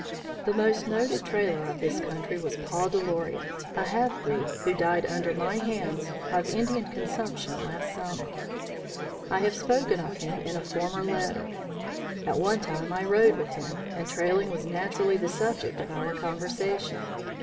"The most noted trailer of this country was Paul Daloria, a half breed, who died under my hands of Indian consumption last summer. I have spoken of him in a former letter. At one time I rode with him, and trailing was naturally the subject of our conversation.